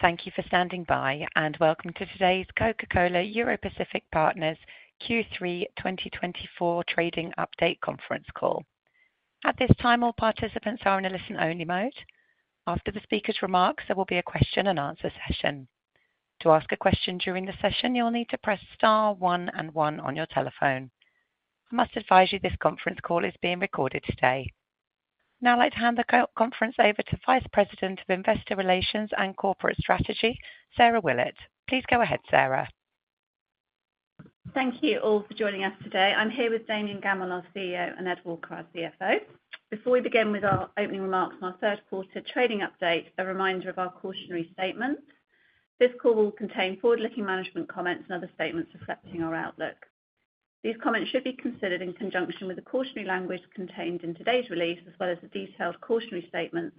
Thank you for standing by, and welcome to today's Coca-Cola Europacific Partners Q3 2024 Trading Update Conference Call. At this time, all participants are in a listen-only mode. After the speaker's remarks, there will be a question-and-answer session. To ask a question during the session, you'll need to press Star 1 and 1 on your telephone. I must advise you this conference call is being recorded today. Now, I'd like to hand the conference over to Vice President of Investor Relations and Corporate Strategy, Sarah Willett. Please go ahead, Sarah. Thank you all for joining us today. I'm here with Damian Gammell, our CEO, and Ed Walker, our CFO. Before we begin with our opening remarks and our third quarter trading update, a reminder of our cautionary statements. This call will contain forward-looking management comments and other statements reflecting our outlook. These comments should be considered in conjunction with the cautionary language contained in today's release, as well as the detailed cautionary statements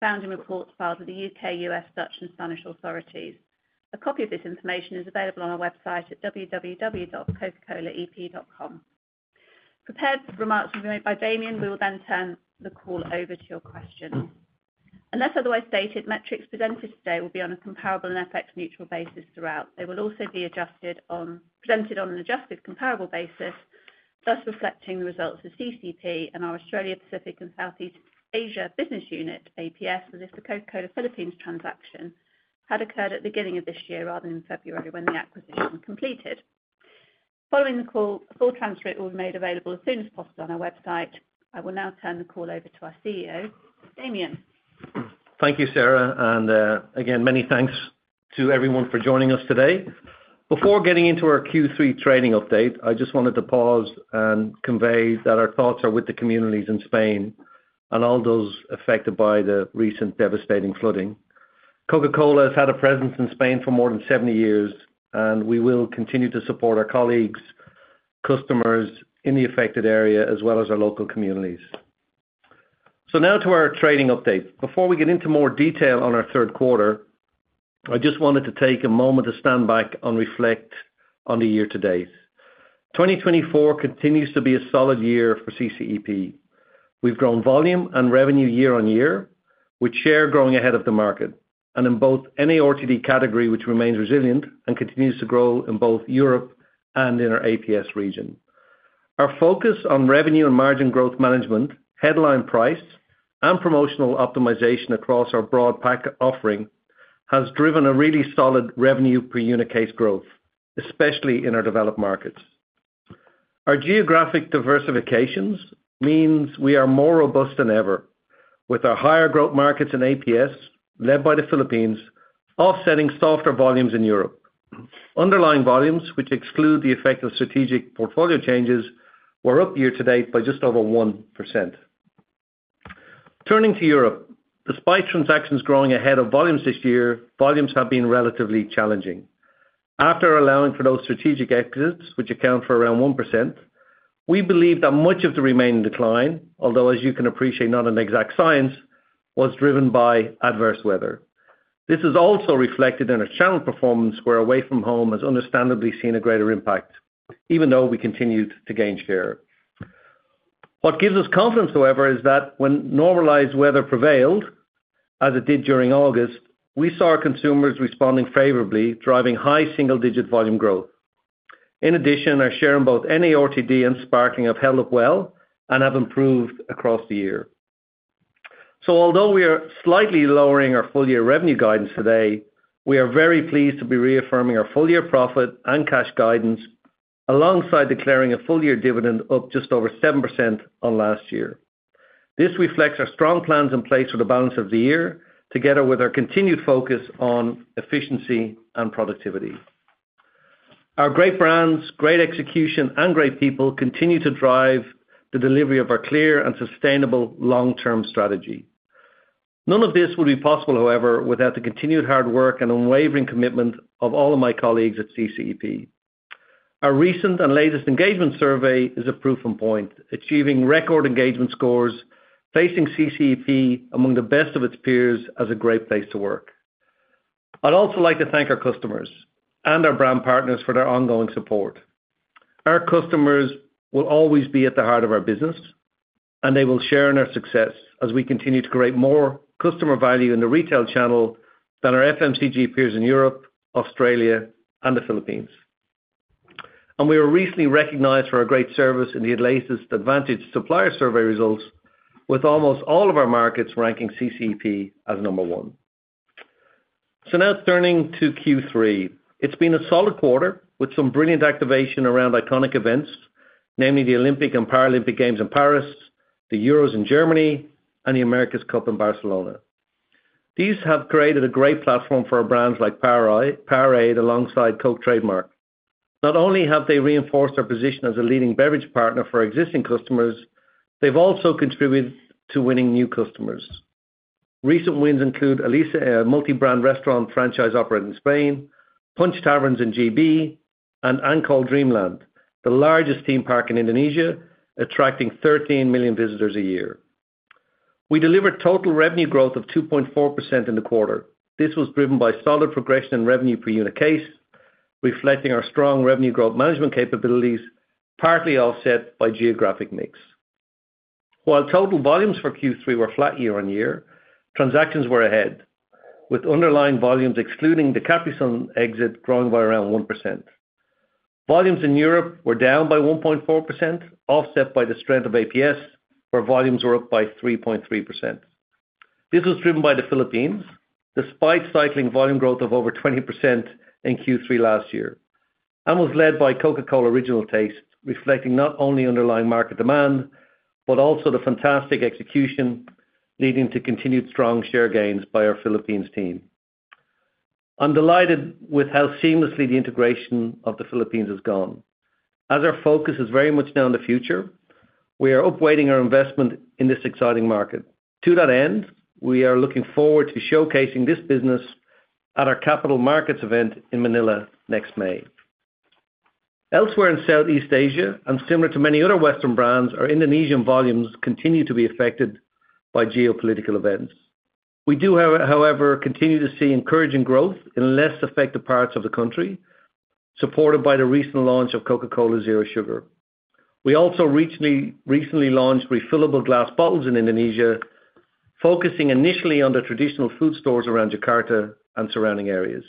found in reports filed with the U.K., U.S., Dutch, and Spanish authorities. A copy of this information is available on our website at www.cocacolaep.com. Prepared remarks will be made by Damian. We will then turn the call over to your questions. Unless otherwise stated, metrics presented today will be on a comparable and FX-neutral basis throughout. They will also be presented on an adjusted comparable basis, thus reflecting the results of CCEP and our Australia Pacific and Southeast Asia Business Unit, APS, as if the Coca-Cola Philippines transaction had occurred at the beginning of this year rather than in February when the acquisition completed. Following the call, a full transcript will be made available as soon as possible on our website. I will now turn the call over to our CEO, Damian. Thank you, Sarah. And again, many thanks to everyone for joining us today. Before getting into our Q3 trading update, I just wanted to pause and convey that our thoughts are with the communities in Spain and all those affected by the recent devastating flooding. Coca-Cola has had a presence in Spain for more than 70 years, and we will continue to support our colleagues, customers in the affected area, as well as our local communities. So now to our trading update. Before we get into more detail on our third quarter, I just wanted to take a moment to stand back and reflect on the year-to-date. 2024 continues to be a solid year for CCEP. We've grown volume and revenue year-on-year, with share growing ahead of the market, and in both NARTD category, which remains resilient and continues to grow in both Europe and in our APS region. Our focus on revenue and margin growth management, headline price, and promotional optimization across our broad portfolio offering has driven a really solid revenue per unit case growth, especially in our developed markets. Our geographic diversifications mean we are more robust than ever, with our higher growth markets in APS, led by the Philippines, offsetting softer volumes in Europe. Underlying volumes, which exclude the effect of strategic portfolio changes, were up year to date by just over 1%. Turning to Europe, despite transactions growing ahead of volumes this year, volumes have been relatively challenging. After allowing for those strategic exits, which account for around 1%, we believe that much of the remaining decline, although, as you can appreciate, not an exact science, was driven by adverse weather. This is also reflected in our channel performance, where away from home has understandably seen a greater impact, even though we continued to gain share. What gives us confidence, however, is that when normalized weather prevailed, as it did during August, we saw our consumers responding favorably, driving high single-digit volume growth. In addition, our share in both NARTD and sparkling have held up well and have improved across the year. So although we are slightly lowering our full-year revenue guidance today, we are very pleased to be reaffirming our full-year profit and cash guidance, alongside declaring a full-year dividend of just over 7% on last year. This reflects our strong plans in place for the balance of the year, together with our continued focus on efficiency and productivity. Our great brands, great execution, and great people continue to drive the delivery of our clear and sustainable long-term strategy. None of this would be possible, however, without the continued hard work and unwavering commitment of all of my colleagues at CCEP. Our recent and latest engagement survey is a proof point, achieving record engagement scores, placing CCEP among the best of its peers as a great place to work. I'd also like to thank our customers and our brand partners for their ongoing support. Our customers will always be at the heart of our business, and they will share in our success as we continue to create more customer value in the retail channel than our FMCG peers in Europe, Australia, and the Philippines. We were recently recognized for our great service in the latest Advantage Supplier Survey results, with almost all of our markets ranking CCEP as number one. Now turning to Q3, it's been a solid quarter with some brilliant activation around iconic events, namely the Olympic and Paralympic Games in Paris, the Euros in Germany, and the America's Cup in Barcelona. These have created a great platform for our brands like Powerade alongside Coke trademark. Not only have they reinforced our position as a leading beverage partner for our existing customers, they've also contributed to winning new customers. Recent wins include a multi-brand restaurant franchise operating in Spain, Punch Taverns in GB, and Ancol Dreamland, the largest theme park in Indonesia, attracting 13 million visitors a year. We delivered total revenue growth of 2.4% in the quarter. This was driven by solid progression in revenue per unit case, reflecting our strong revenue growth management capabilities, partly offset by geographic mix. While total volumes for Q3 were flat year on year, transactions were ahead, with underlying volumes, excluding the Capri-Sun exit, growing by around 1%. Volumes in Europe were down by 1.4%, offset by the strength of APS, where volumes were up by 3.3%. This was driven by the Philippines, despite cycling volume growth of over 20% in Q3 last year, and was led by Coca-Cola Original Taste, reflecting not only underlying market demand but also the fantastic execution leading to continued strong share gains by our Philippines team. I'm delighted with how seamlessly the integration of the Philippines has gone. As our focus is very much now in the future, we are upweighting our investment in this exciting market. To that end, we are looking forward to showcasing this business at our Capital Markets event in Manila next May. Elsewhere in Southeast Asia, and similar to many other Western brands, our Indonesian volumes continue to be affected by geopolitical events. We do, however, continue to see encouraging growth in less affected parts of the country, supported by the recent launch of Coca-Cola Zero Sugar. We also recently launched refillable glass bottles in Indonesia, focusing initially on the traditional food stores around Jakarta and surrounding areas.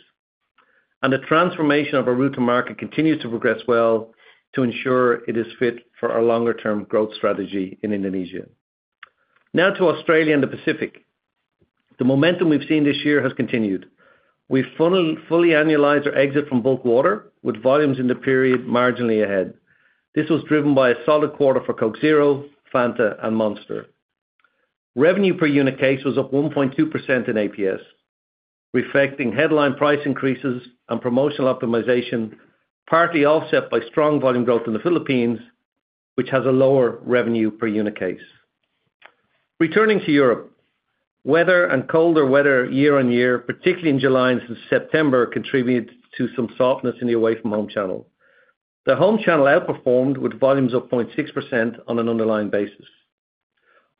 And the transformation of our route to market continues to progress well to ensure it is fit for our longer-term growth strategy in Indonesia. Now to Australia and the Pacific. The momentum we've seen this year has continued. We fully annualized our exit from bulk water, with volumes in the period marginally ahead. This was driven by a solid quarter for Coke Zero, Fanta, and Monster. Revenue per unit case was up 1.2% in APS, reflecting headline price increases and promotional optimization, partly offset by strong volume growth in the Philippines, which has a lower revenue per unit case. Returning to Europe, the weather and colder weather year on year, particularly in July and September, contributed to some softness in the away-from-home channel. The home channel outperformed with volumes of 0.6% on an underlying basis.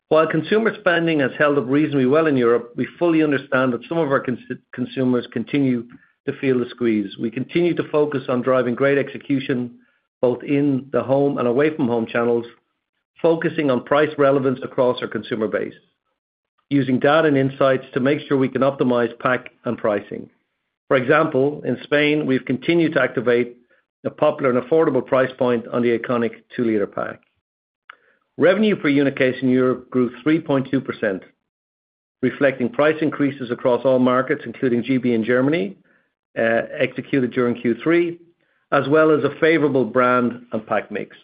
While consumer spending has held up reasonably well in Europe, we fully understand that some of our consumers continue to feel the squeeze. We continue to focus on driving great execution both in the home and away-from-home channels, focusing on price relevance across our consumer base, using data and insights to make sure we can optimize pack and pricing. For example, in Spain, we've continued to activate a popular and affordable price point on the iconic two-liter pack. Revenue Per Unit Case in Europe grew 3.2%, reflecting price increases across all markets, including GB and Germany, executed during Q3, as well as a favorable brand and pack mix.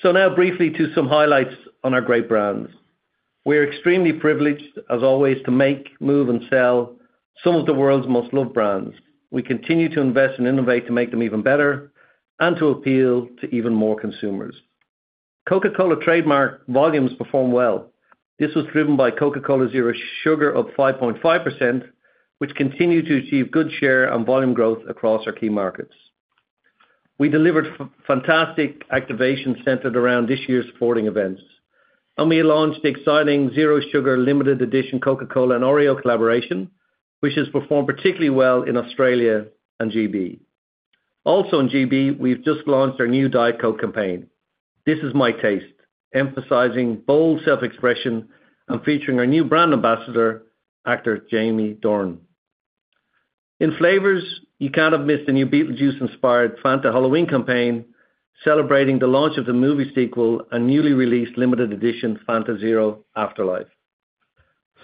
So now briefly to some highlights on our great brands. We're extremely privileged, as always, to make, move, and sell some of the world's most loved brands. We continue to invest and innovate to make them even better and to appeal to even more consumers. Coca-Cola Trademark volumes performed well. This was driven by Coca-Cola Zero Sugar up 5.5%, which continued to achieve good share and volume growth across our key markets. We delivered fantastic activation centered around this year's sporting events. We launched the exciting Zero Sugar Limited Edition Coca-Cola and Oreo collaboration, which has performed particularly well in Australia and GB. Also in GB, we've just launched our new Diet Coke campaign. This Is My Taste, emphasizing bold self-expression and featuring our new brand ambassador, actor Jamie Dornan. In flavors, you can't have missed the new Beetlejuice-inspired Fanta Halloween campaign, celebrating the launch of the movie sequel and newly released limited edition Fanta Zero Afterlife.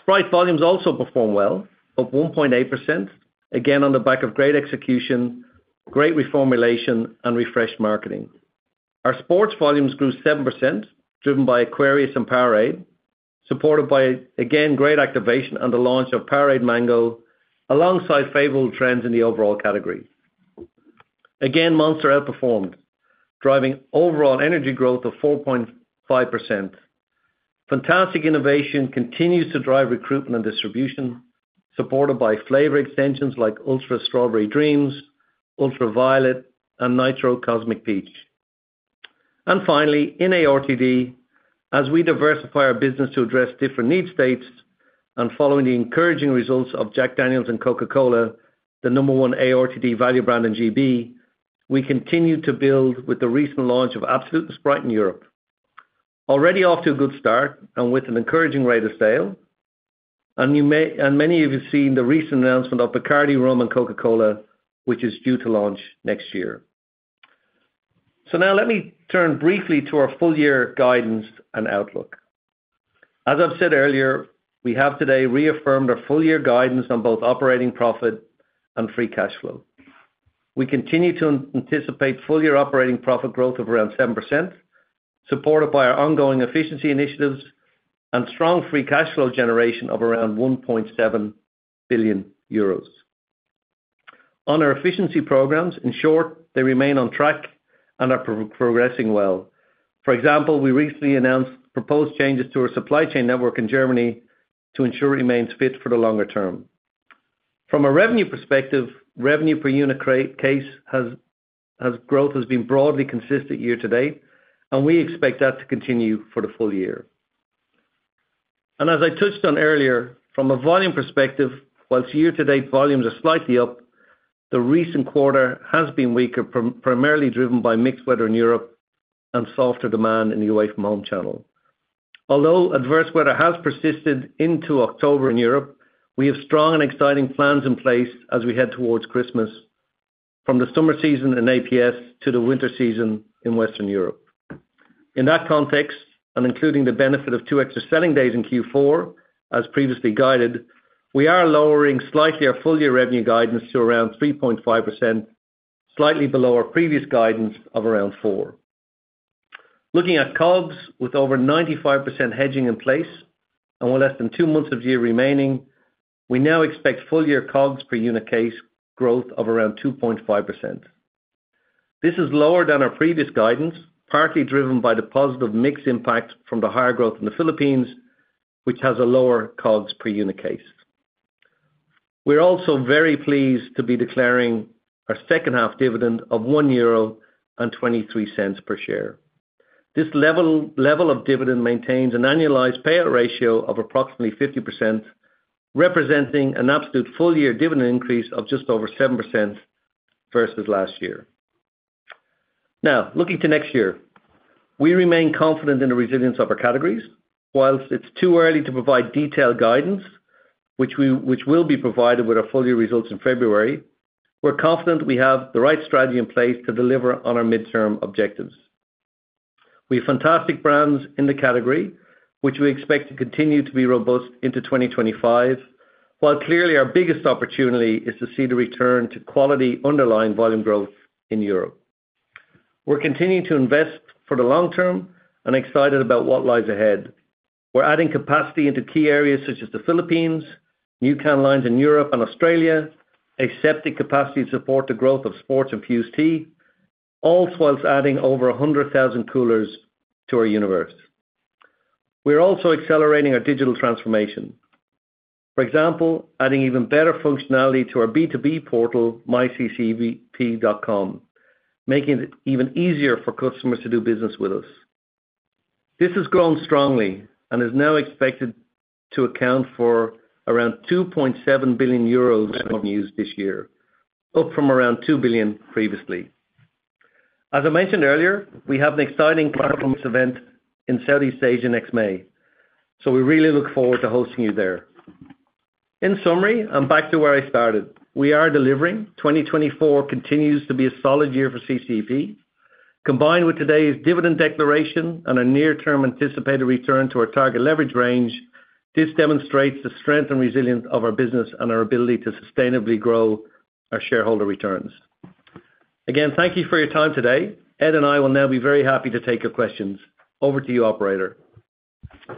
Sprite volumes also performed well, up 1.8%, again on the back of great execution, great reformulation, and refreshed marketing. Our sports volumes grew 7%, driven by Aquarius and Powerade, supported by, again, great activation and the launch of Powerade Mango, alongside favorable trends in the overall category. Again, Monster outperformed, driving overall energy growth of 4.5%. Fantastic innovation continues to drive recruitment and distribution, supported by flavor extensions like Ultra Strawberry Dreams, Ultra Violet, and Nitro Cosmic Peach. And finally, in ARTD, as we diversify our business to address different needs states and following the encouraging results of Jack Daniel's and Coca-Cola, the number one ARTD value brand in GB, we continue to build with the recent launch of Absolut & Sprite in Europe. Already off to a good start and with an encouraging rate of sale. And many of you have seen the recent announcement of Bacardi Rum and Coca-Cola, which is due to launch next year. So now let me turn briefly to our full-year guidance and outlook. As I've said earlier, we have today reaffirmed our full-year guidance on both operating profit and free cash flow. We continue to anticipate full-year operating profit growth of around 7%, supported by our ongoing efficiency initiatives and strong free cash flow generation of around 1.7 billion euros. On our efficiency programs, in short, they remain on track and are progressing well. For example, we recently announced proposed changes to our supply chain network in Germany to ensure it remains fit for the longer term. From a revenue perspective, revenue per unit case growth has been broadly consistent year to date, and we expect that to continue for the full year. And as I touched on earlier, from a volume perspective, while year to date volumes are slightly up, the recent quarter has been weaker, primarily driven by mixed weather in Europe and softer demand in the away-from-home channel. Although adverse weather has persisted into October in Europe, we have strong and exciting plans in place as we head towards Christmas, from the summer season in APS to the winter season in Western Europe. In that context, and including the benefit of two extra selling days in Q4, as previously guided, we are lowering slightly our full-year revenue guidance to around 3.5%, slightly below our previous guidance of around 4%. Looking at COGS with over 95% hedging in place and with less than two months of year remaining, we now expect full-year COGS per unit case growth of around 2.5%. This is lower than our previous guidance, partly driven by the positive mix impact from the higher growth in the Philippines, which has a lower COGS per unit case. We're also very pleased to be declaring our second-half dividend of 1.23 euro per share. This level of dividend maintains an annualized payout ratio of approximately 50%, representing an absolute full-year dividend increase of just over 7% versus last year. Now, looking to next year, we remain confident in the resilience of our categories. Whilst it's too early to provide detailed guidance, which will be provided with our full-year results in February, we're confident we have the right strategy in place to deliver on our midterm objectives. We have fantastic brands in the category, which we expect to continue to be robust into 2025, while clearly our biggest opportunity is to see the return to quality underlying volume growth in Europe. We're continuing to invest for the long term and excited about what lies ahead. We're adding capacity into key areas such as the Philippines, new canned lines in Europe and Australia, aseptic capacity to support the growth of sports-infused tea, all whilst adding over 100,000 coolers to our universe. We're also accelerating our digital transformation. For example, adding even better functionality to our B2B portal, MyCCEP.com, making it even easier for customers to do business with us. This has grown strongly and is now expected to account for around 2.7 billion euros in revenues this year, up from around 2 billion previously. As I mentioned earlier, we have an exciting Capital Markets event in Southeast Asia next May, so we really look forward to hosting you there. In summary, and back to where I started, we are delivering. 2024 continues to be a solid year for CCEP. Combined with today's dividend declaration and a near-term anticipated return to our target leverage range, this demonstrates the strength and resilience of our business and our ability to sustainably grow our shareholder returns. Again, thank you for your time today. Ed and I will now be very happy to take your questions. Over to you, Operator.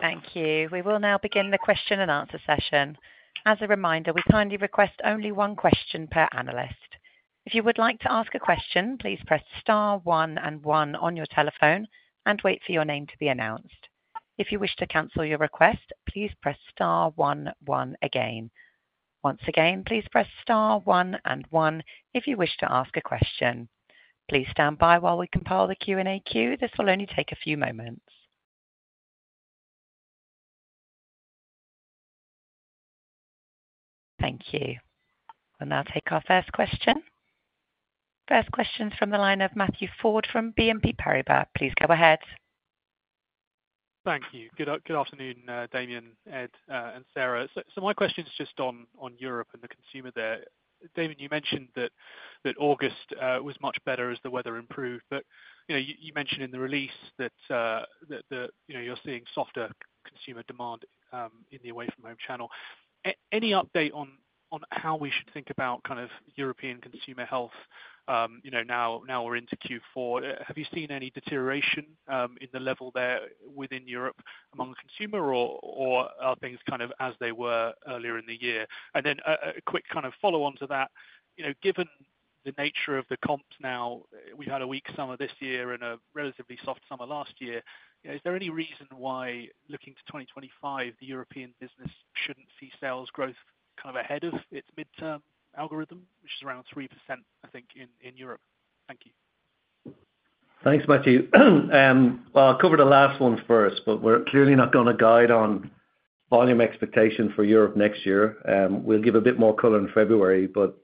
Thank you. We will now begin the question and answer session. As a reminder, we kindly request only one question per analyst. If you would like to ask a question, please press star, one, and one on your telephone and wait for your name to be announced. If you wish to cancel your request, please press star, one, one again. Once again, please press star, one, and one if you wish to ask a question. Please stand by while we compile the Q&A queue. This will only take a few moments. Thank you. We'll now take our first question. First question is from the line of Matthew Ford from BNP Paribas. Please go ahead. Thank you. Good afternoon, Damian, Ed, and Sarah. So my question is just on Europe and the consumer there. Damian, you mentioned that August was much better as the weather improved, but you mentioned in the release that you're seeing softer consumer demand in the away-from-home channel. Any update on how we should think about kind of European consumer health now we're into Q4? Have you seen any deterioration in the level there within Europe among consumers, or are things kind of as they were earlier in the year? And then a quick kind of follow-on to that, given the nature of the comps now, we've had a weak summer this year and a relatively soft summer last year. Is there any reason why, looking to 2025, the European business shouldn't see sales growth kind of ahead of its midterm algorithm, which is around 3%, I think, in Europe? Thank you. Thanks, Matthew. I'll cover the last one first, but we're clearly not going to guide on volume expectation for Europe next year. We'll give a bit more color in February, but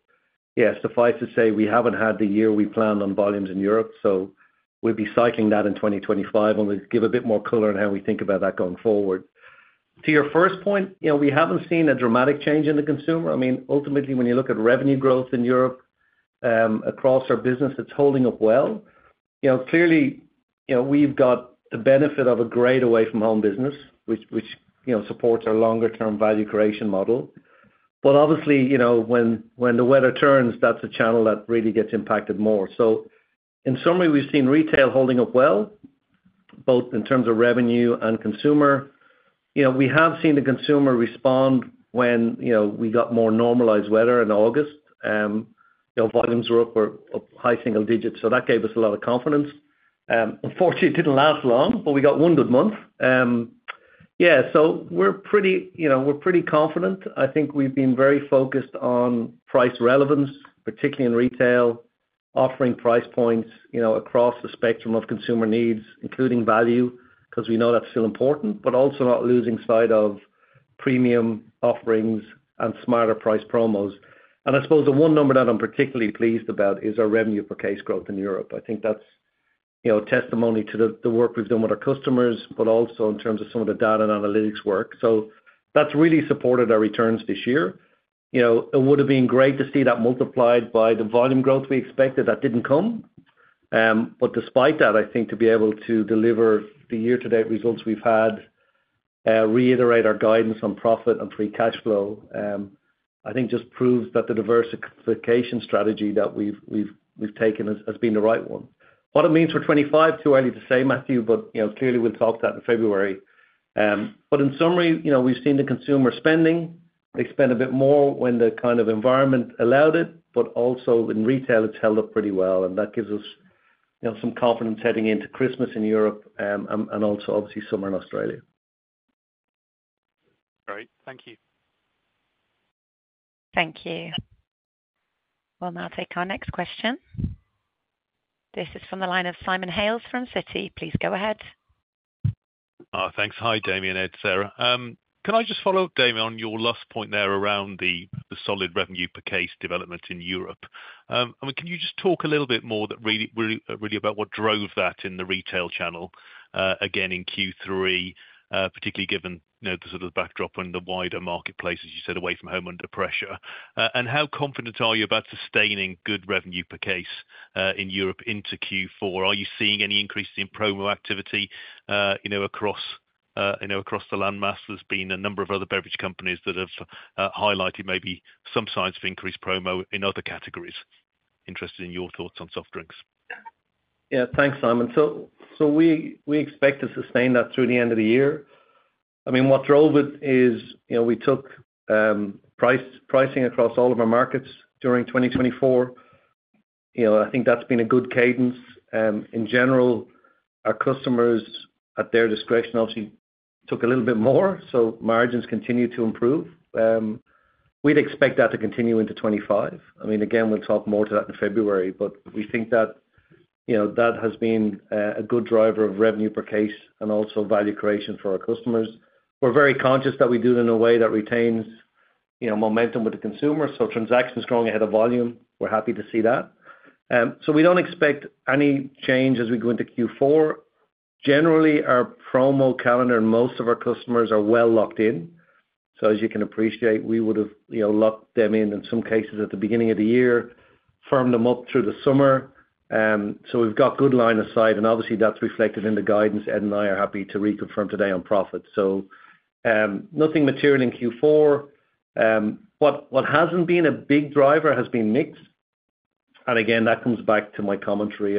yes, suffice to say we haven't had the year we planned on volumes in Europe, so we'll be cycling that in 2025 and we'll give a bit more color on how we think about that going forward. To your first point, we haven't seen a dramatic change in the consumer. I mean, ultimately, when you look at revenue growth in Europe across our business, it's holding up well. Clearly, we've got the benefit of a great away-from-home business, which supports our longer-term value creation model. Obviously, when the weather turns, that's a channel that really gets impacted more. In summary, we've seen retail holding up well, both in terms of revenue and consumer. We have seen the consumer respond when we got more normalized weather in August. Volumes were up for high single digits, so that gave us a lot of confidence. Unfortunately, it didn't last long, but we got one good month. Yeah, we're pretty confident. I think we've been very focused on price relevance, particularly in retail, offering price points across the spectrum of consumer needs, including value, because we know that's still important, but also not losing sight of premium offerings and smarter price promos. I suppose the one number that I'm particularly pleased about is our revenue per case growth in Europe. I think that's testimony to the work we've done with our customers, but also in terms of some of the data and analytics work. So that's really supported our returns this year. It would have been great to see that multiplied by the volume growth we expected that didn't come. But despite that, I think to be able to deliver the year-to-date results we've had, reiterate our guidance on profit and free cash flow, I think just proves that the diversification strategy that we've taken has been the right one. What it means for 2025, too early to say, Matthew, but clearly we'll talk that in February. But in summary, we've seen the consumer spending. They spend a bit more when the kind of environment allowed it, but also in retail, it's held up pretty well, and that gives us some confidence heading into Christmas in Europe and also, obviously, summer in Australia. Great. Thank you. Thank you. We'll now take our next question. This is from the line of Simon Hales from Citi. Please go ahead. Thanks. Hi, Damian, Ed, Sarah. Can I just follow up, Damian, on your last point there around the solid revenue per case development in Europe? I mean, can you just talk a little bit more really about what drove that in the retail channel again in Q3, particularly given the sort of backdrop and the wider marketplace, as you said, away from home under pressure? And how confident are you about sustaining good revenue per case in Europe into Q4? Are you seeing any increases in promo activity across the landscape? There's been a number of other beverage companies that have highlighted maybe some signs of increased promo in other categories. Interested in your thoughts on soft drinks. Yeah, thanks, Simon. So we expect to sustain that through the end of the year. I mean, what drove it is we took pricing across all of our markets during 2024. I think that's been a good cadence. In general, our customers, at their discretion, obviously took a little bit more, so margins continue to improve. We'd expect that to continue into 2025. I mean, again, we'll talk more to that in February, but we think that that has been a good driver of revenue per case and also value creation for our customers. We're very conscious that we do it in a way that retains momentum with the consumer, so transactions growing ahead of volume. We're happy to see that. So we don't expect any change as we go into Q4. Generally, our promo calendar, most of our customers are well locked in. So as you can appreciate, we would have locked them in in some cases at the beginning of the year, firmed them up through the summer. So we've got good line of sight, and obviously, that's reflected in the guidance. Ed and I are happy to reconfirm today on profit. So nothing material in Q4. What hasn't been a big driver has been mixed. And again, that comes back to my commentary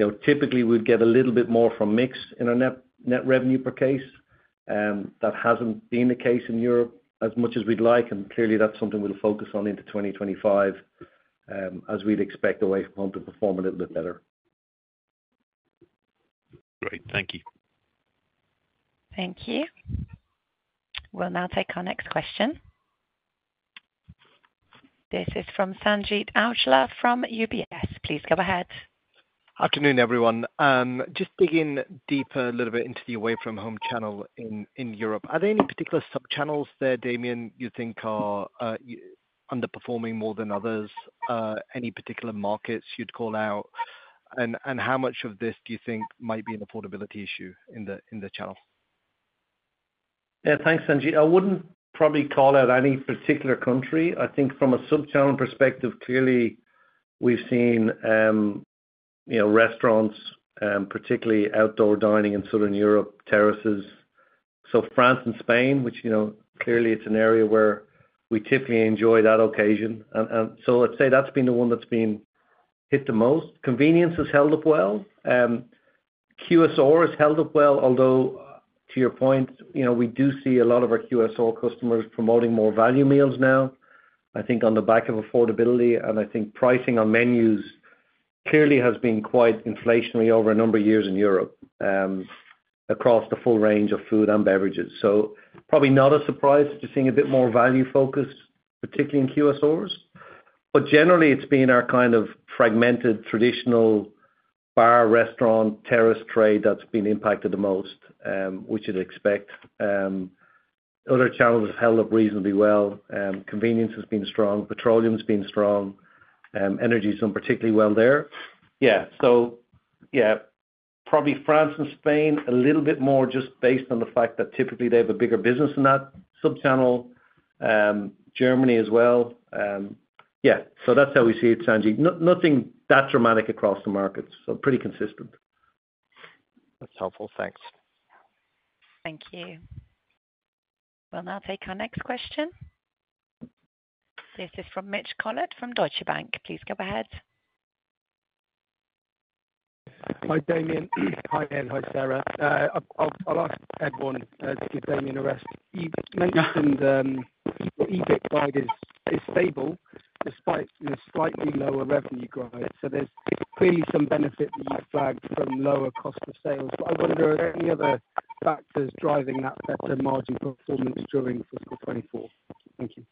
around the away-from-home channel being a little bit weaker. So typically, we'd get a little bit more from mixed in our net revenue per case. That hasn't been the case in Europe as much as we'd like, and clearly, that's something we'll focus on into 2025 as we'd expect away-from-home to perform a little bit better. Great. Thank you. Thank you. We'll now take our next question. This is from Sanjeet Aujla from UBS. Please go ahead. Afternoon, everyone. Just digging deeper a little bit into the away-from-home channel in Europe. Are there any particular sub-channels there, Damian, you think are underperforming more than others? Any particular markets you'd call out? And how much of this do you think might be an affordability issue in the channel? Yeah, thanks, Sanjeet. I wouldn't probably call out any particular country. I think from a sub-channel perspective, clearly, we've seen restaurants, particularly outdoor dining in southern Europe, terraces. So France and Spain, which clearly, it's an area where we typically enjoy that occasion. And so I'd say that's been the one that's been hit the most. Convenience has held up well. QSR has held up well, although to your point, we do see a lot of our QSR customers promoting more value meals now, I think on the back of affordability. And I think pricing on menus clearly has been quite inflationary over a number of years in Europe across the full range of food and beverages. So probably not a surprise to seeing a bit more value focus, particularly in QSRs. But generally, it's been our kind of fragmented traditional bar, restaurant, terrace trade that's been impacted the most, which you'd expect. Other channels have held up reasonably well. Convenience has been strong. Petroleum has been strong. Energy's done particularly well there. Yeah. So yeah, probably France and Spain a little bit more just based on the fact that typically they have a bigger business in that sub-channel. Germany as well. Yeah. So that's how we see it, Sanjeet. Nothing that dramatic across the markets, so pretty consistent. That's helpful. Thanks. Thank you. We'll now take our next question. This is from Mitch Collett from Deutsche Bank. Please go ahead. Hi, Damian. Hi, Ed. Hi, Sarah. I'll ask Ed one to give Damian a rest. You mentioned the EBITDA is stable despite the slightly lower revenue growth. So there's clearly some benefit that you've flagged from lower cost of sales. But I wonder, are there any other factors driving that better margin performance during fiscal 2024? Thank you.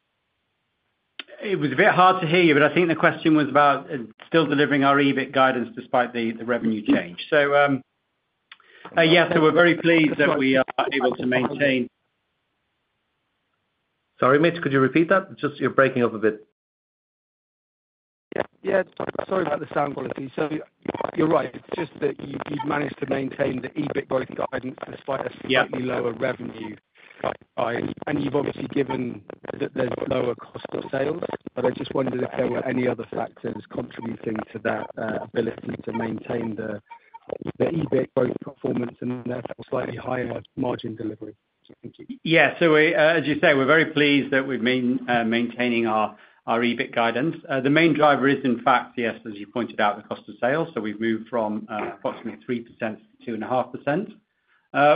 It was a bit hard to hear you, but I think the question was about still delivering our EBITDA guidance despite the revenue change. So yeah, so we're very pleased that we are able to maintain. Sorry, Mitch, could you repeat that? Just you're breaking up a bit. Yeah. Yeah. Sorry about the sound quality. So you're right. It's just that you've managed to maintain the EBIT growth guidance despite a slightly lower revenue per case. And you've obviously given that there's lower cost of sales, but I just wondered if there were any other factors contributing to that ability to maintain the EBIT growth performance and therefore slightly higher margin delivery. Thank you. Yeah. So as you say, we're very pleased that we've been maintaining our EBIT guidance. The main driver is, in fact, yes, as you pointed out, the cost of sales. So we've moved from approximately 3% to 2.5%.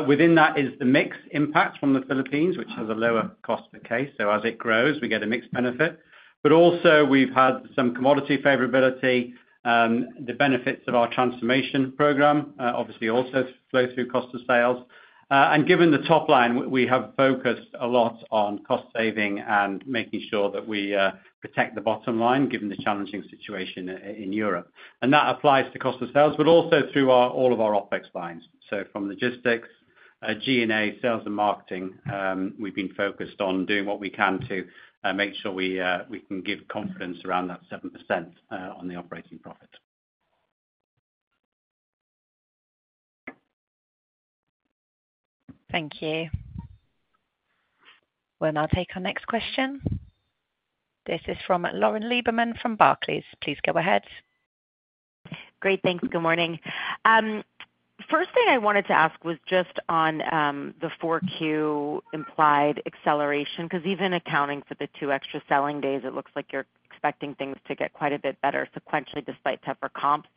Within that is the mix impact from the Philippines, which has a lower cost per case. So as it grows, we get a mixed benefit. But also we've had some commodity favorability. The benefits of our transformation program, obviously, also flow through cost of sales. And given the top line, we have focused a lot on cost saving and making sure that we protect the bottom line given the challenging situation in Europe. And that applies to cost of sales, but also through all of our OpEx lines. So from logistics, G&A, sales, and marketing, we've been focused on doing what we can to make sure we can give confidence around that 7% on the operating profit. Thank you. We'll now take our next question. This is from Lauren Lieberman from Barclays. Please go ahead. Great. Thanks. Good morning. First thing I wanted to ask was just on the 4Q implied acceleration, because even accounting for the two extra selling days, it looks like you're expecting things to get quite a bit better sequentially despite tougher comps.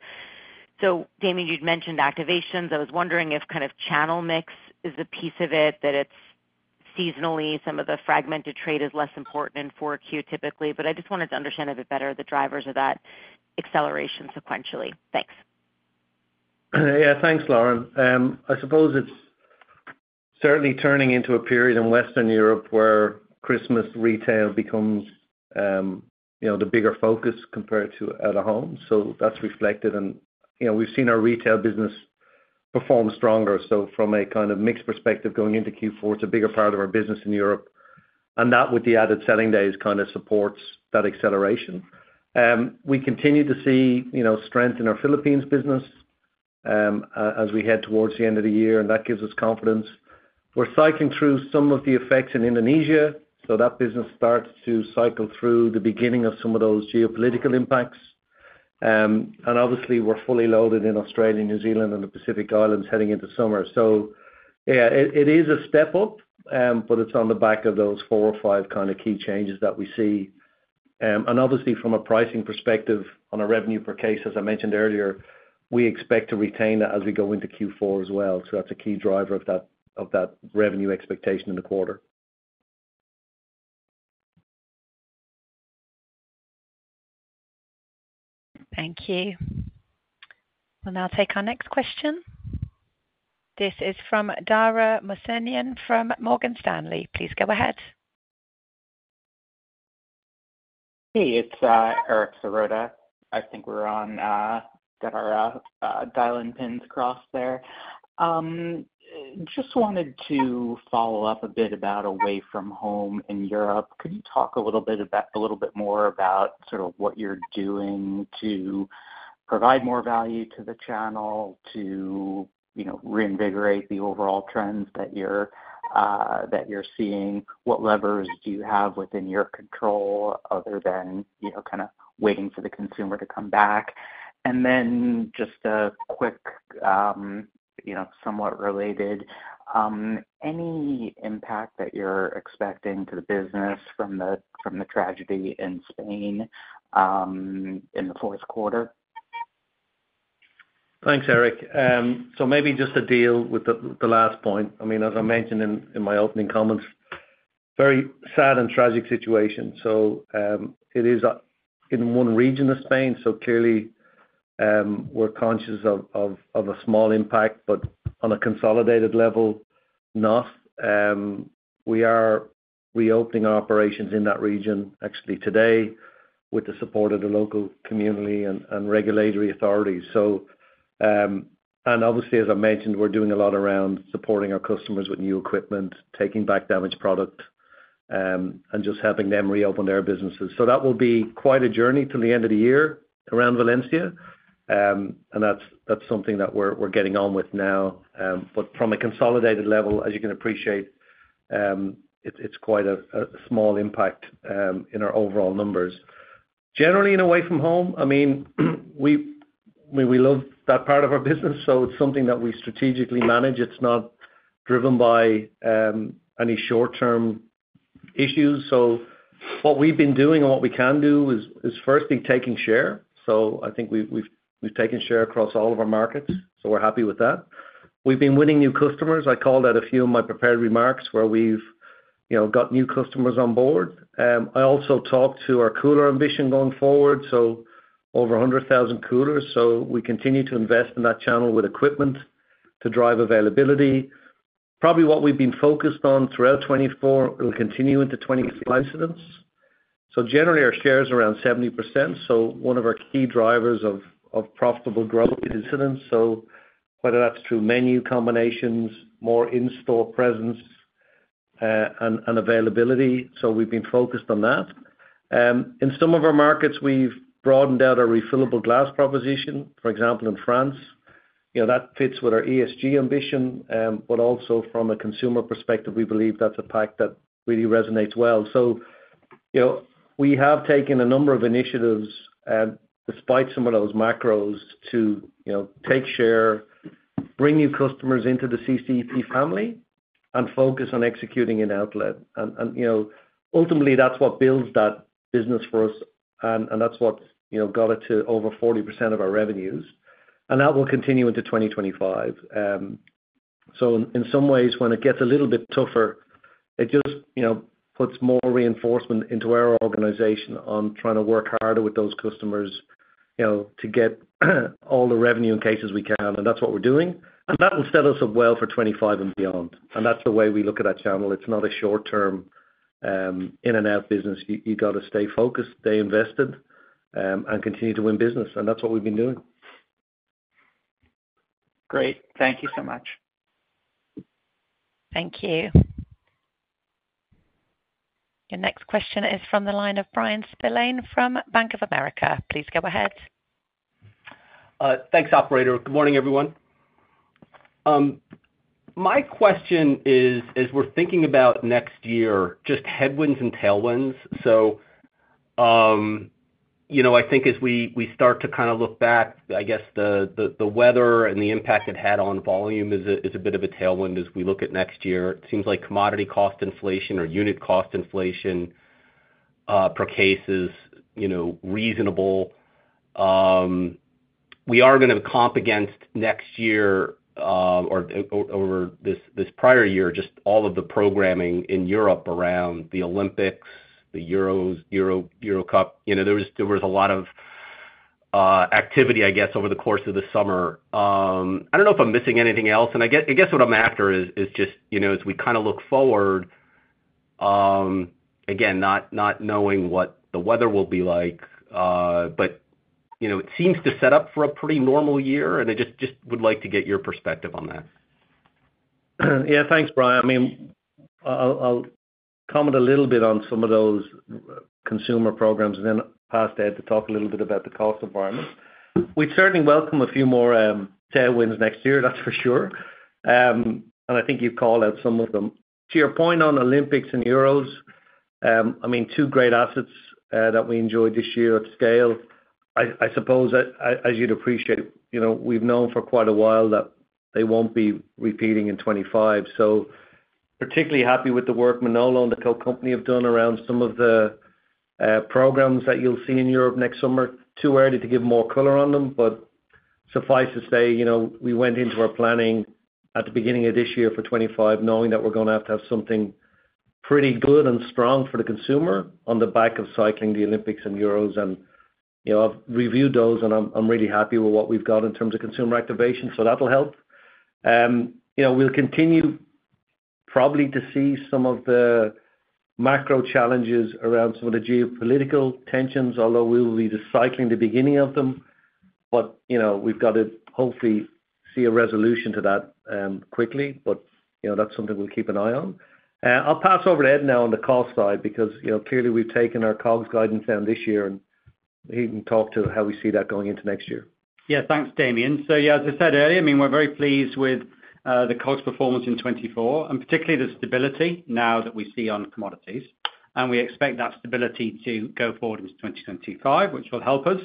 So Damian, you'd mentioned activations. I was wondering if kind of channel mix is a piece of it, that it's seasonally, some of the fragmented trade is less important in 4Q typically. But I just wanted to understand a bit better the drivers of that acceleration sequentially. Thanks. Yeah. Thanks, Lauren. I suppose it's certainly turning into a period in Western Europe where Christmas retail becomes the bigger focus compared to at home. So that's reflected, and we've seen our retail business perform stronger. So from a kind of mixed perspective going into Q4, it's a bigger part of our business in Europe. And that with the added selling days kind of supports that acceleration. We continue to see strength in our Philippines business as we head towards the end of the year, and that gives us confidence. We're cycling through some of the effects in Indonesia. So that business starts to cycle through the beginning of some of those geopolitical impacts. And obviously, we're fully loaded in Australia, New Zealand, and the Pacific Islands heading into summer. So yeah, it is a step up, but it's on the back of those four or five kind of key changes that we see. And obviously, from a pricing perspective on a revenue per case, as I mentioned earlier, we expect to retain that as we go into Q4 as well. So that's a key driver of that revenue expectation in the quarter. Thank you. We'll now take our next question. This is from Dara Mohsenian from Morgan Stanley. Please go ahead. Hey, it's Eric Serotta. I think we've got our dial-in pins crossed there. Just wanted to follow up a bit about away from home in Europe. Could you talk a little bit more about sort of what you're doing to provide more value to the channel, to reinvigorate the overall trends that you're seeing? What levers do you have within your control other than kind of waiting for the consumer to come back? And then just a quick, somewhat related, any impact that you're expecting to the business from the tragedy in Spain in the fourth quarter? Thanks, Eric. So maybe just to deal with the last point. I mean, as I mentioned in my opening comments, very sad and tragic situation. So it is in one region of Spain. So clearly, we're conscious of a small impact, but on a consolidated level, not. We are reopening our operations in that region actually today with the support of the local community and regulatory authorities. And obviously, as I mentioned, we're doing a lot around supporting our customers with new equipment, taking back damaged product, and just helping them reopen their businesses. So that will be quite a journey to the end of the year around Valencia. And that's something that we're getting on with now. But from a consolidated level, as you can appreciate, it's quite a small impact in our overall numbers. Generally, in Away-From-Home, I mean, we love that part of our business. So it's something that we strategically manage. It's not driven by any short-term issues. So what we've been doing and what we can do is firstly taking share. So I think we've taken share across all of our markets. So we're happy with that. We've been winning new customers. I called out a few in my prepared remarks where we've got new customers on board. I also talked to our cooler ambition going forward, so over 100,000 coolers. So we continue to invest in that channel with equipment to drive availability. Probably what we've been focused on throughout 2024, it'll continue into 2025. Incidence. So generally, our share is around 70%. So one of our key drivers of profitable growth is incidence. So whether that's through menu combinations, more in-store presence, and availability. So we've been focused on that. In some of our markets, we've broadened out our refillable glass proposition. For example, in France, that fits with our ESG ambition. But also from a consumer perspective, we believe that's a pact that really resonates well. We have taken a number of initiatives despite some of those macros to take share, bring new customers into the CCEP family, and focus on executing an outlet. Ultimately, that's what builds that business for us. That's what got it to over 40% of our revenues. That will continue into 2025. In some ways, when it gets a little bit tougher, it just puts more reinforcement into our organization on trying to work harder with those customers to get all the revenue in cases we can. That's what we're doing. That will set us up well for 2025 and beyond. That's the way we look at that channel. It's not a short-term in-and-out business. You've got to stay focused, stay invested, and continue to win business. That's what we've been doing. Great. Thank you so much. Thank you. Your next question is from the line of Bryan Spillane from Bank of America. Please go ahead. Thanks, operator. Good morning, everyone. My question is, as we're thinking about next year, just headwinds and tailwinds. So I think as we start to kind of look back, I guess the weather and the impact it had on volume is a bit of a tailwind as we look at next year. It seems like commodity cost inflation or unit cost inflation per case is reasonable. We are going to comp against next year or over this prior year, just all of the programming in Europe around the Olympics, the Euros, EuroCup. There was a lot of activity, I guess, over the course of the summer. I don't know if I'm missing anything else. I guess what I'm after is just as we kind of look forward, again, not knowing what the weather will be like, but it seems to set up for a pretty normal year. And I just would like to get your perspective on that. Yeah. Thanks, Bryan. I mean, I'll comment a little bit on some of those consumer programs. And then pass that to talk a little bit about the cost environment. We'd certainly welcome a few more tailwinds next year, that's for sure. And I think you've called out some of them. To your point on Olympics and Euros, I mean, two great assets that we enjoyed this year at scale. I suppose as you'd appreciate, we've known for quite a while that they won't be repeating in 2025. So particularly happy with the work Manolo and the Coca-Cola Company have done around some of the programs that you'll see in Europe next summer. Too early to give more color on them, but suffice to say, we went into our planning at the beginning of this year for 2025, knowing that we're going to have to have something pretty good and strong for the consumer on the back of cycling the Olympics and Euros. And I've reviewed those, and I'm really happy with what we've got in terms of consumer activation. So that'll help. We'll continue probably to see some of the macro challenges around some of the geopolitical tensions, although we will be cycling the beginning of them. But we've got to hopefully see a resolution to that quickly. But that's something we'll keep an eye on. I'll pass over to Ed now on the cost side because clearly we've taken our COGS guidance down this year and he can talk to how we see that going into next year. Yeah. Thanks, Damian. So yeah, as I said earlier, I mean, we're very pleased with the COGS performance in 2024, and particularly the stability now that we see on commodities. And we expect that stability to go forward into 2025, which will help us.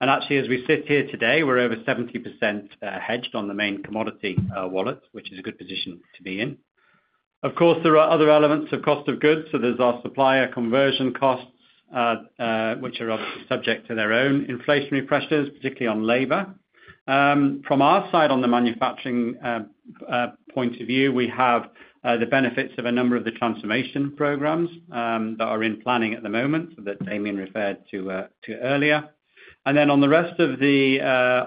And actually, as we sit here today, we're over 70% hedged on the main commodity wallet, which is a good position to be in. Of course, there are other elements of cost of goods. So there's our supplier conversion costs, which are obviously subject to their own inflationary pressures, particularly on labor. From our side on the manufacturing point of view, we have the benefits of a number of the transformation programs that are in planning at the moment that Damian referred to earlier. And then on the rest of the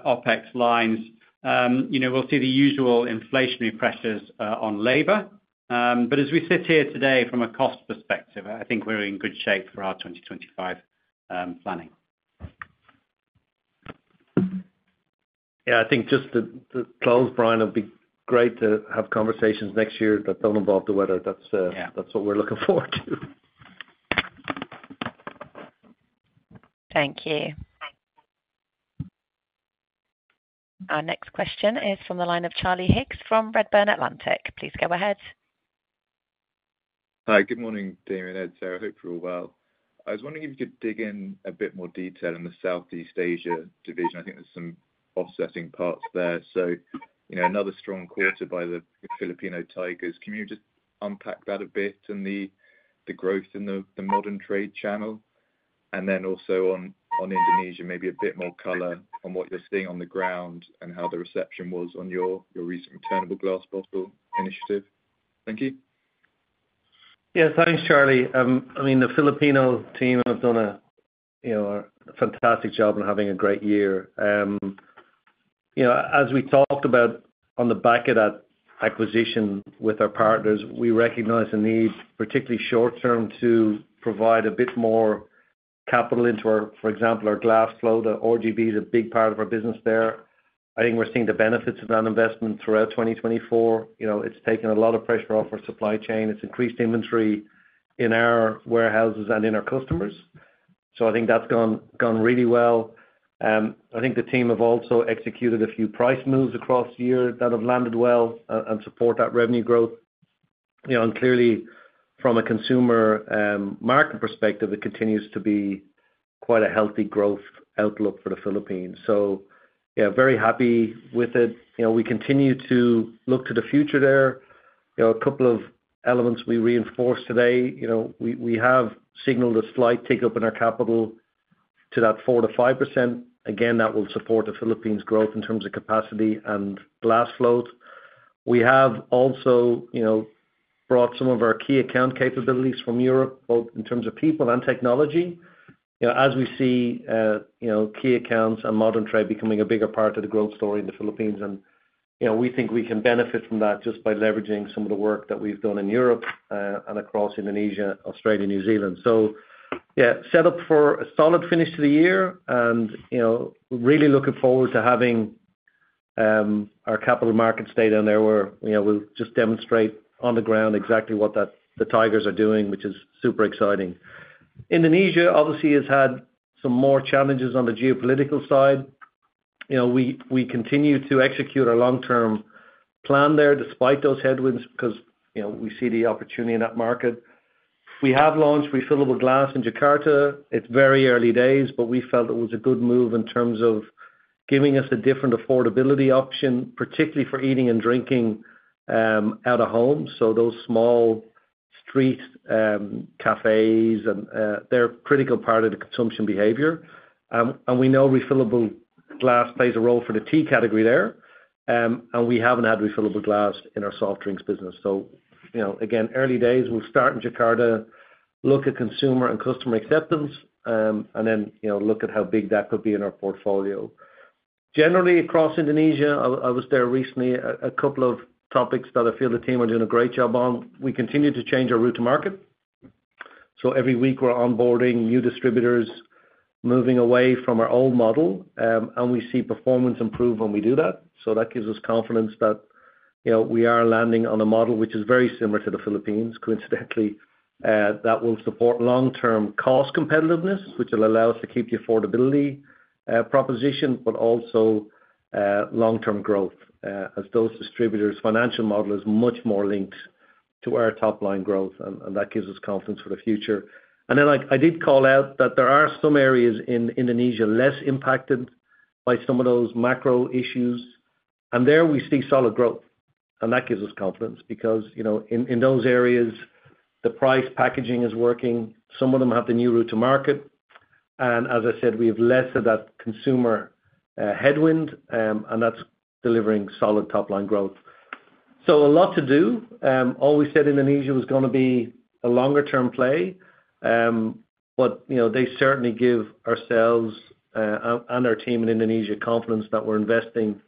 OpEx lines, we'll see the usual inflationary pressures on labor. But as we sit here today from a cost perspective, I think we're in good shape for our 2025 planning. Yeah. I think just to close, Bryan, it'll be great to have conversations next year that don't involve the weather. That's what we're looking forward to. Thank you. Our next question is from the line of Charlie Higgs from Redburn Atlantic. Please go ahead. Hi. Good morning, Damian. Ed's here. I hope you're well. I was wondering if you could dig in a bit more detail in the Southeast Asia division. I think there's some offsetting parts there. So another strong quarter by the Filipino Tigers. Can you just unpack that a bit and the growth in the modern trade channel? And then also on Indonesia, maybe a bit more color on what you're seeing on the ground and how the reception was on your recent returnable glass bottle initiative. Thank you. Yeah. Thanks, Charlie. I mean, the Filipino team have done a fantastic job and having a great year. As we talked about on the back of that acquisition with our partners, we recognize a need, particularly short-term, to provide a bit more capital into our, for example, our glass fleet. The RGB is a big part of our business there. I think we're seeing the benefits of that investment throughout 2024. It's taken a lot of pressure off our supply chain. It's increased inventory in our warehouses and in our customers. I think that's gone really well. I think the team have also executed a few price moves across the year that have landed well and support that revenue growth. Clearly, from a consumer market perspective, it continues to be quite a healthy growth outlook for the Philippines. Yeah, very happy with it. We continue to look to the future there. A couple of elements we reinforced today. We have signaled a slight take-up in our capital to that 4%-5%. Again, that will support the Philippines' growth in terms of capacity and glass float. We have also brought some of our key account capabilities from Europe, both in terms of people and technology, as we see key accounts and modern trade becoming a bigger part of the growth story in the Philippines. We think we can benefit from that just by leveraging some of the work that we've done in Europe and across Indonesia, Australia, New Zealand. So yeah, set up for a solid finish to the year. We really look forward to having our capital markets day down there where we'll just demonstrate on the ground exactly what the Tigers are doing, which is super exciting. Indonesia, obviously, has had some more challenges on the geopolitical side. We continue to execute our long-term plan there despite those headwinds because we see the opportunity in that market. We have launched refillable glass in Jakarta. It's very early days, but we felt it was a good move in terms of giving us a different affordability option, particularly for eating and drinking out of home. So those small street cafes, they're a critical part of the consumption behavior. And we know refillable glass plays a role for the tea category there. And we haven't had refillable glass in our soft drinks business. So again, early days. We'll start in Jakarta, look at consumer and customer acceptance, and then look at how big that could be in our portfolio. Generally, across Indonesia, I was there recently. A couple of topics that I feel the team are doing a great job on. We continue to change our route to market. So every week, we're onboarding new distributors, moving away from our old model. And we see performance improve when we do that. So that gives us confidence that we are landing on a model which is very similar to the Philippines, coincidentally, that will support long-term cost competitiveness, which will allow us to keep the affordability proposition, but also long-term growth as those distributors' financial model is much more linked to our top-line growth. And that gives us confidence for the future. And then I did call out that there are some areas in Indonesia less impacted by some of those macro issues. And there we see solid growth. And that gives us confidence because in those areas, the price packaging is working. Some of them have the new route to market. And as I said, we have less of that consumer headwind. And that's delivering solid top-line growth. So a lot to do. Always said Indonesia was going to be a longer-term play. But they certainly give ourselves and our team in Indonesia confidence that we're investing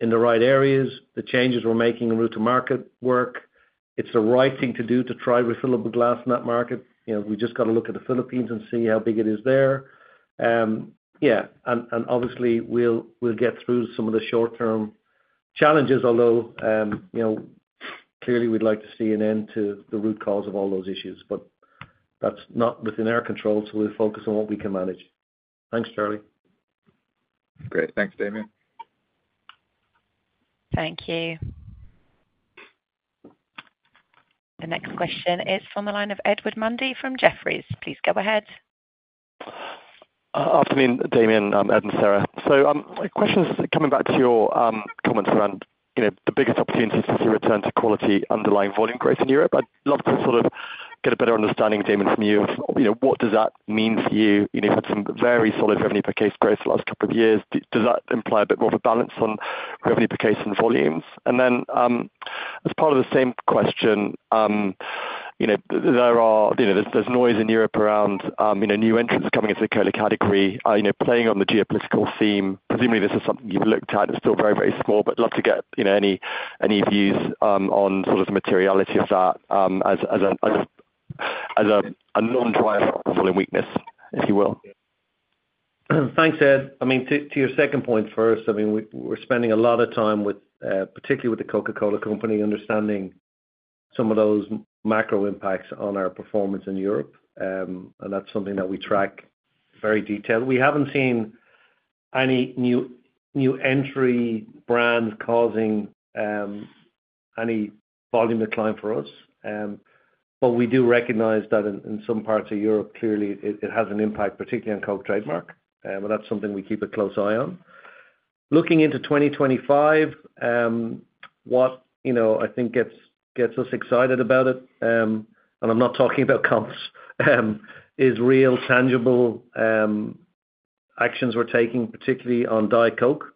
in the right areas. The changes we're making in route to market work. It's the right thing to do to try refillable glass in that market. We just got to look at the Philippines and see how big it is there. Yeah. And obviously, we'll get through some of the short-term challenges, although clearly we'd like to see an end to the root cause of all those issues. But that's not within our control. So we'll focus on what we can manage. Thanks, Charlie. Great. Thanks, Damian. Thank you. The next question is from the line of Edward Mundy from Jefferies. Please go ahead. Afternoon, Damian. Ed and Sarah. So my question is coming back to your comments around the biggest opportunities to see return to quality underlying volume growth in Europe. I'd love to sort of get a better understanding, Damian, from you. What does that mean for you? You've had some very solid revenue per case growth the last couple of years. Does that imply a bit more of a balance on revenue per case and volumes? And then as part of the same question, there's noise in Europe around new entrants coming into the cola category playing on the geopolitical theme. Presumably, this is something you've looked at. It's still very, very small, but I'd love to get any views on sort of the materiality of that as a non-driver of volume weakness, if you will. Thanks, Ed. I mean, to your second point first, I mean, we're spending a lot of time, particularly with the Coca-Cola Company, understanding some of those macro impacts on our performance in Europe. And that's something that we track very detailed. We haven't seen any new entry brands causing any volume decline for us, but we do recognize that in some parts of Europe, clearly, it has an impact, particularly on Coke trademark, and that's something we keep a close eye on. Looking into 2025, what I think gets us excited about it, and I'm not talking about comps, is real, tangible actions we're taking, particularly on Diet Coke.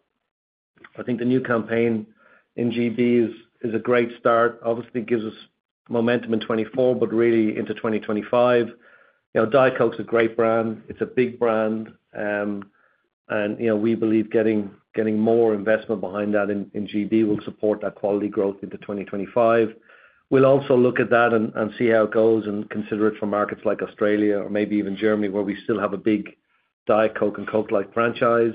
I think the new campaign in GB is a great start. Obviously, it gives us momentum in 2024, but really into 2025. Diet Coke's a great brand. It's a big brand, and we believe getting more investment behind that in GB will support that quality growth into 2025. We'll also look at that and see how it goes and consider it for markets like Australia or maybe even Germany, where we still have a big Diet Coke and Coke Light franchise.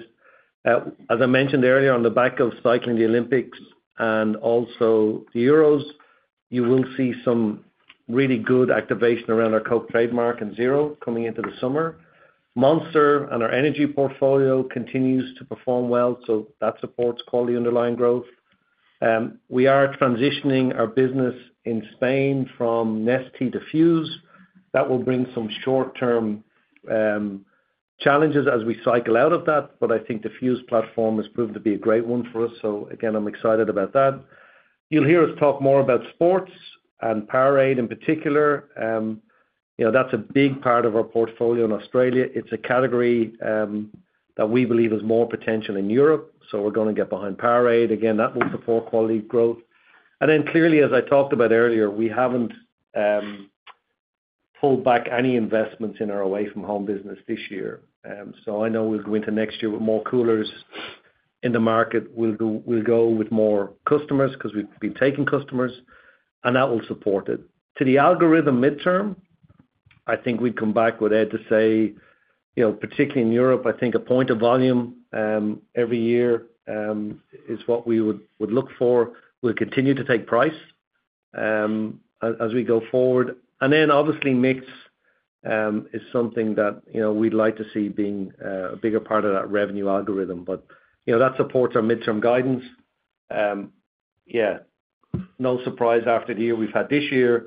As I mentioned earlier, on the back of cycling the Olympics and also the Euros, you will see some really good activation around our Coke trademark and Zero coming into the summer. Monster and our energy portfolio continues to perform well. So that supports quality underlying growth. We are transitioning our business in Spain from Nestea to Fuze. That will bring some short-term challenges as we cycle out of that. But I think the Fuze platform has proven to be a great one for us. So again, I'm excited about that. You'll hear us talk more about sports and Powerade in particular. That's a big part of our portfolio in Australia. It's a category that we believe has more potential in Europe. So we're going to get behind Powerade. Again, that will support quality growth. And then clearly, as I talked about earlier, we haven't pulled back any investments in our Away-From-Home business this year. So I know we'll go into next year with more coolers in the market. We'll go with more customers because we've been taking customers. And that will support it. To the algorithm midterm, I think we'd come back with Ed to say, particularly in Europe, I think a point of volume every year is what we would look for. We'll continue to take price as we go forward. And then obviously, mix is something that we'd like to see being a bigger part of that revenue algorithm. But that supports our midterm guidance. Yeah. No surprise after the year we've had this year.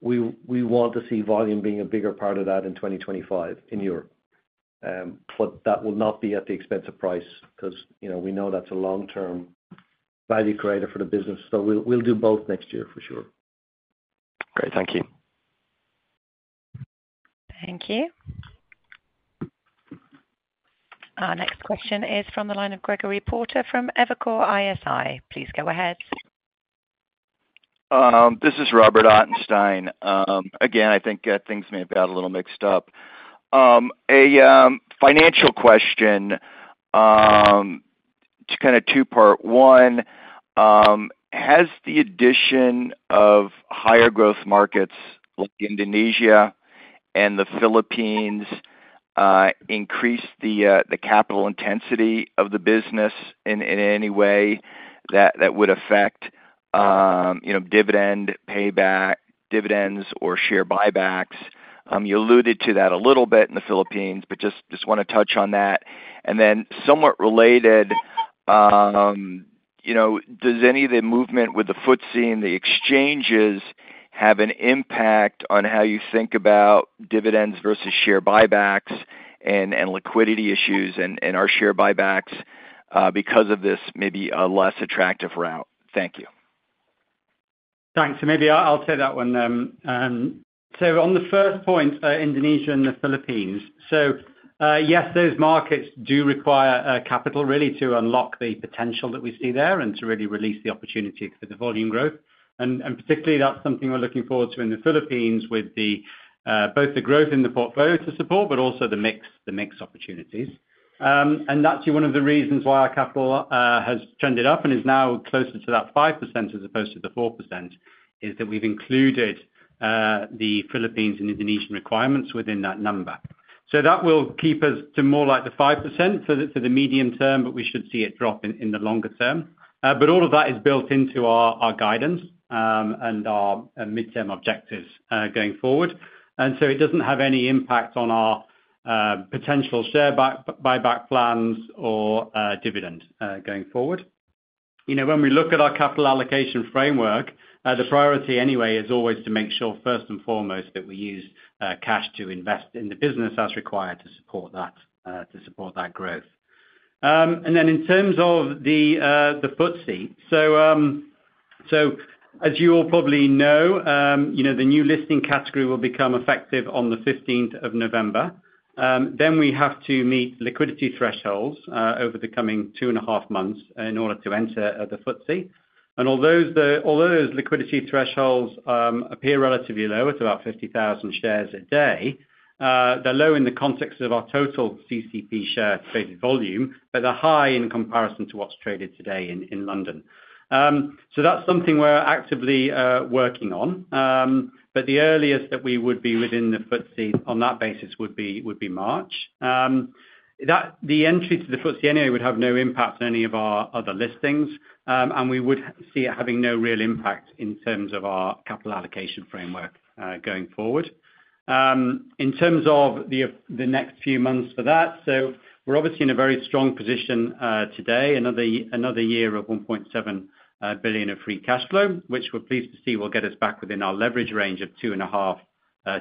We want to see volume being a bigger part of that in 2025 in Europe. But that will not be at the expense of price because we know that's a long-term value creator for the business. So we'll do both next year for sure. Great. Thank you. Thank you. Our next question is from the line of Gregory Porter from Evercore ISI. Please go ahead. This is Robert Ottenstein. Again, I think things may have got a little mixed up. A financial question, kind of two-part. One, has the addition of higher growth markets like Indonesia and the Philippines increased the capital intensity of the business in any way that would affect dividend payback, dividends, or share buybacks? You alluded to that a little bit in the Philippines, but just want to touch on that. And then somewhat related, does any of the movement with the FTSE and the exchanges have an impact on how you think about dividends versus share buybacks and liquidity issues in our share buybacks because of this maybe less attractive route? Thank you. Thanks. So maybe I'll take that one. So on the first point, Indonesia and the Philippines. So yes, those markets do require capital, really, to unlock the potential that we see there and to really release the opportunity for the volume growth. And particularly, that's something we're looking forward to in the Philippines with both the growth in the portfolio to support, but also the mix opportunities. And that's one of the reasons why our capital has trended up and is now closer to that 5% as opposed to the 4%, is that we've included the Philippines and Indonesian requirements within that number. So that will keep us to more like the 5% for the medium term, but we should see it drop in the longer term. But all of that is built into our guidance and our midterm objectives going forward. And so it doesn't have any impact on our potential share buyback plans or dividend going forward. When we look at our capital allocation framework, the priority anyway is always to make sure first and foremost that we use cash to invest in the business as required to support that growth. And then in terms of the FTSE, so as you all probably know, the new listing category will become effective on the 15th of November. Then we have to meet liquidity thresholds over the coming two and a half months in order to enter the FTSE. And although those liquidity thresholds appear relatively low, it's about 50,000 shares a day. They're low in the context of our total CCEP share-based volume, but they're high in comparison to what's traded today in London, so that's something we're actively working on, but the earliest that we would be within the FTSE on that basis would be March. The entry to the FTSE anyway would have no impact on any of our other listings, and we would see it having no real impact in terms of our capital allocation framework going forward. In terms of the next few months for that, so we're obviously in a very strong position today, another year of 1.7 billion of free cash flow, which we're pleased to see will get us back within our leverage range of two and a half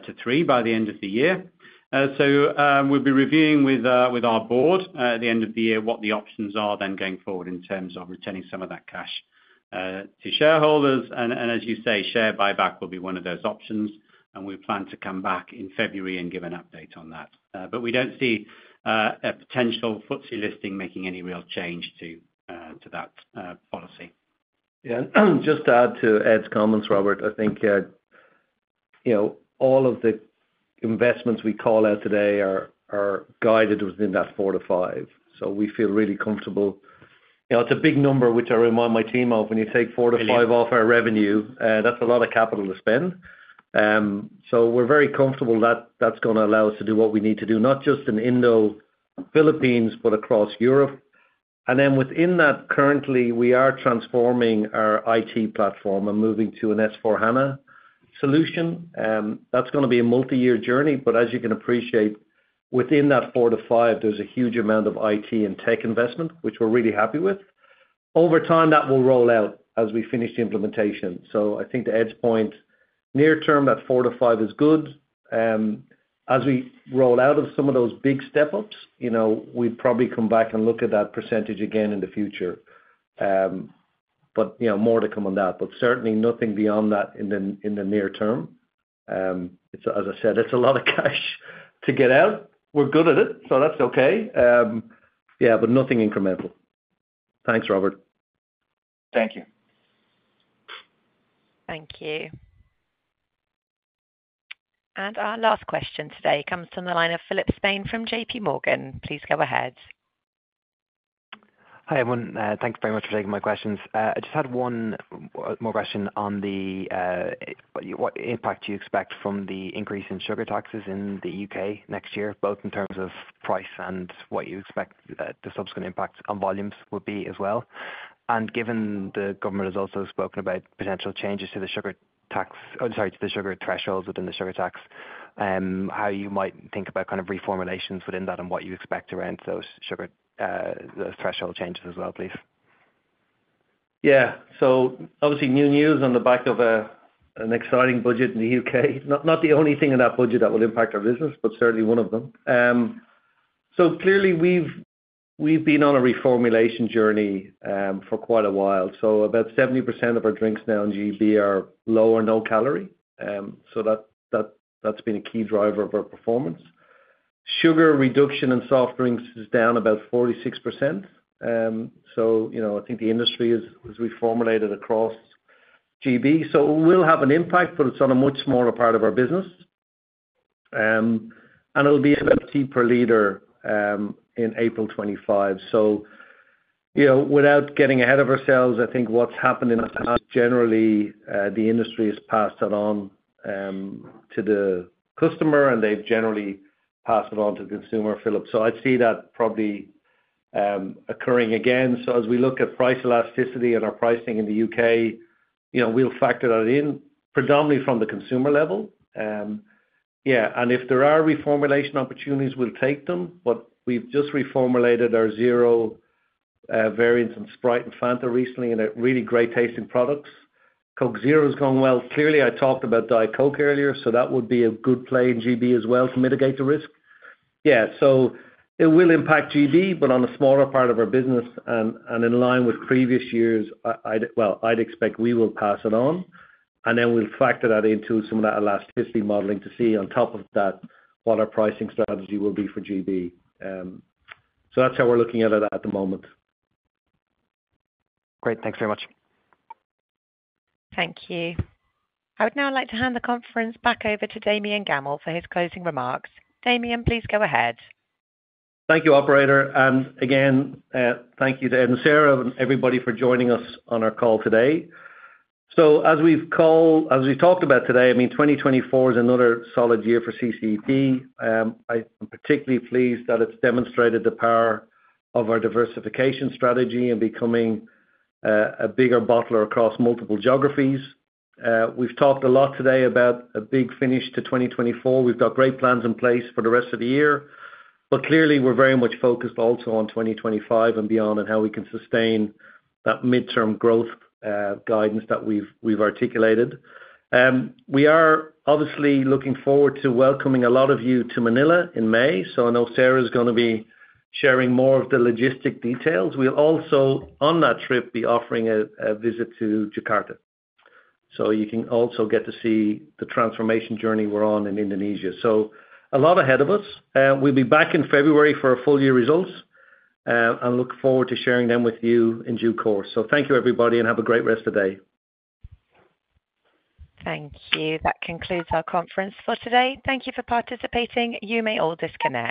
to three by the end of the year. So we'll be reviewing with our board at the end of the year what the options are then going forward in terms of retaining some of that cash to shareholders. And as you say, share buyback will be one of those options. And we plan to come back in February and give an update on that. But we don't see a potential FTSE listing making any real change to that policy. Yeah. Just to add to Ed's comments, Robert, I think all of the investments we call out today are guided within that 4-5. So we feel really comfortable. It's a big number, which I remind my team of. When you take 4-5 off our revenue, that's a lot of capital to spend. So we're very comfortable that that's going to allow us to do what we need to do, not just in Indo-Philippines, but across Europe. And then within that, currently, we are transforming our IT platform and moving to an S/4HANA solution. That's going to be a multi-year journey. But as you can appreciate, within that four to five, there's a huge amount of IT and tech investment, which we're really happy with. Over time, that will roll out as we finish the implementation. So I think to Ed's point, near-term, that four to five is good. As we roll out of some of those big step-ups, we'd probably come back and look at that percentage again in the future. But more to come on that. But certainly, nothing beyond that in the near term. As I said, it's a lot of cash to get out. We're good at it. So that's okay. Yeah. But nothing incremental. Thanks, Robert. Thank you. Thank you. And our last question today comes from the line of Philip Spain from J.P. Morgan. Please go ahead. Hi, everyone. Thanks very much for taking my questions. I just had one more question on what impact you expect from the increase in sugar taxes in the U.K. next year, both in terms of price and what you expect the subsequent impact on volumes would be as well. And given the government has also spoken about potential changes to the sugar tax or, sorry, to the sugar thresholds within the sugar tax, how you might think about kind of reformulations within that and what you expect around those threshold changes as well, please. Yeah. So obviously, new news on the back of an exciting budget in the U.K. Not the only thing in that budget that will impact our business, but certainly one of them. So clearly, we've been on a reformulation journey for quite a while. So about 70% of our drinks now in GB are low or no calorie. So that's been a key driver of our performance. Sugar reduction in soft drinks is down about 46%. So I think the industry has reformulated across GB. So it will have an impact, but it's on a much smaller part of our business. And it'll be about 18p per liter in April 2025. So without getting ahead of ourselves, I think what's happened in general. Generally, the industry has passed that on to the customer, and they've generally passed it on to the consumer, Philip. So I'd see that probably occurring again. So as we look at price elasticity and our pricing in the U.K., we'll factor that in, predominantly from the consumer level. Yeah. And if there are reformulation opportunities, we'll take them. But we've just reformulated our Zero variants and Sprite and Fanta recently into really great-tasting products. Coke Zero has gone well. Clearly, I talked about Diet Coke earlier. So that would be a good play in GB as well to mitigate the risk. Yeah. So it will impact GB, but on a smaller part of our business. And in line with previous years, well, I'd expect we will pass it on. And then we'll factor that into some of that elasticity modeling to see on top of that what our pricing strategy will be for GB. So that's how we're looking at it at the moment. Great. Thanks very much. Thank you. I would now like to hand the conference back over to Damian Gammell for his closing remarks. Damian, please go ahead. Thank you, Operator. And again, thank you to Ed and Sarah and everybody for joining us on our call today. So as we've talked about today, I mean, 2024 is another solid year for CCEP. I'm particularly pleased that it's demonstrated the power of our diversification strategy and becoming a bigger bottler across multiple geographies. We've talked a lot today about a big finish to 2024. We've got great plans in place for the rest of the year. But clearly, we're very much focused also on 2025 and beyond and how we can sustain that midterm growth guidance that we've articulated. We are obviously looking forward to welcoming a lot of you to Manila in May. So I know Sarah is going to be sharing more of the logistic details. We'll also, on that trip, be offering a visit to Jakarta. So you can also get to see the transformation journey we're on in Indonesia. So a lot ahead of us. We'll be back in February for our full-year results and look forward to sharing them with you in due course. So thank you, everybody, and have a great rest of the day. Thank you. That concludes our conference for today. Thank you for participating. You may all disconnect.